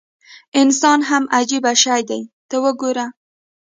انسان هم عجیب شی دی ته وګوره.